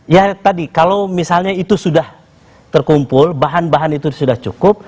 ya tadi kalau misalnya itu sudah terkumpul bahan bahan itu sudah cukup